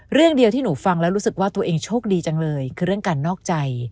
เรื่องเดียวที่หนูฟังแล้วรู้สึกว่าตัวเองโชคดีจังเลยคือเรื่องการนอกใจ